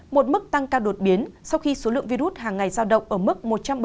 một mức tăng cao đột biến sau khi số lượng virus hàng ngày giao động ở mức một trăm bảy mươi